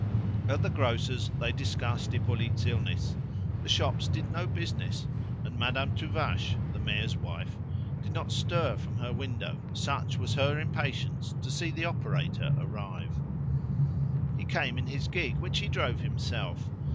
At the grocer's they discussed Hippolyte's illness; the shops did no business, and Madame Tuvache, the mayor's wife, did not stir from her window, such was her impatience to see the operator arrive. He came in his gig, which he drove himself.